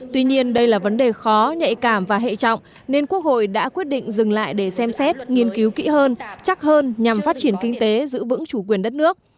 tuy nhiên đây là vấn đề khó nhạy cảm và hệ trọng nên quốc hội đã quyết định dừng lại để xem xét nghiên cứu kỹ hơn chắc hơn nhằm phát triển kinh tế giữ vững chủ quyền đất nước